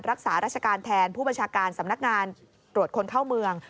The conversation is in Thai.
รักษาราชการแทนผู้บัญชาการสำนักงานตรวจคนเข้าเมือง